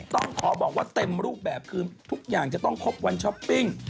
ต้องขอบอกว่าเต็มรูปแบบคือทุกอย่างจะต้องครบวันช้อปปิ้ง